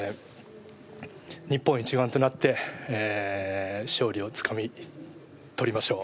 日本一丸となって勝利をつかみ取りましょう。